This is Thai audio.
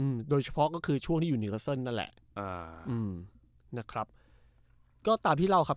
อืมโดยเฉพาะก็คือช่วงที่อยู่นิวคัสเซิลนั่นแหละอ่าอืมนะครับก็ตามที่เล่าครับ